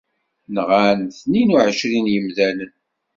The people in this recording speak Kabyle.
Nɣan tnin u εecrin n yimdanen.